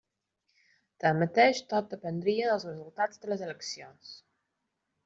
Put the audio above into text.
Tanmateix, tot dependria dels resultats de les eleccions.